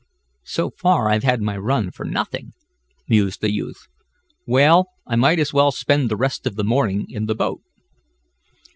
"So far I've had my run for nothing," mused the youth. "Well, I might as well spend the rest of the morning in the boat."